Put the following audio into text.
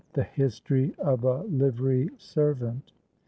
THE HISTORY OF A LIVERY SERVANT.